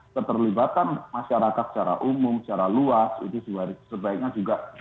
keterlibatan masyarakat secara umum secara luas itu sebaiknya juga